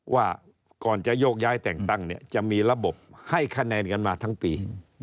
ว่าก่อนจะโยกย้ายแต่งตั้งเนี่ยจะมีระบบให้คะแนนกันมาทั้งปี